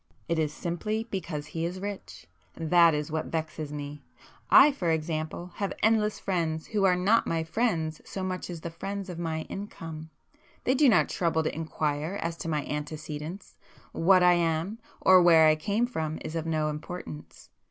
It is simply because he is rich. That is what vexes me. I for example, have endless friends who are not my friends so much as the friends of my income. They do not trouble to inquire as to my antecedents,—what I am or where I came from is of no importance.